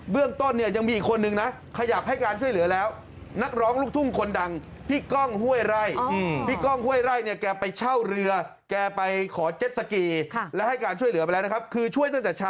เบื้องต้นยังมีอีกคนนึงนะขยับให้การช่วยเหลือแล้ว